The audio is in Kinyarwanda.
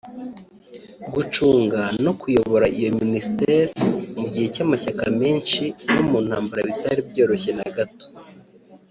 gucunga no kuyobora iyo Ministère mu gihe cy’amashyaka menshi no mu ntambara bitari byoroshye na gato